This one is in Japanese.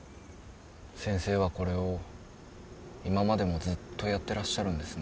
先生はこれを今までもずっとやってらっしゃるんですね。